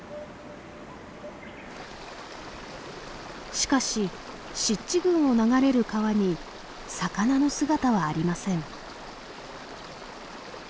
しかし湿地群を流れる川に魚の姿はありません。